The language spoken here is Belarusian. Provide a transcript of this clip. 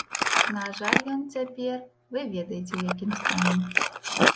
На жаль ён цяпер, вы ведаеце, у якім стане.